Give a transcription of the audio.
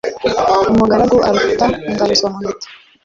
umugaragu aruta ingaruzwa muheto